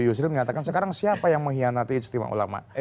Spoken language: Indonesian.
yusril mengatakan sekarang siapa yang mengkhianati ijtima ulama